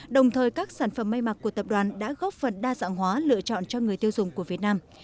đồng thời các sản phẩm may mặc của tập đoàn đã góp phần đa dạng hóa lựa chọn cho người tiêu dùng của việt nam